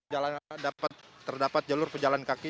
jalur pejalan kaki